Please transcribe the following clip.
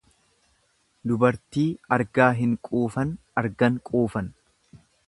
Dubartii argaa hin quufan argan quufan.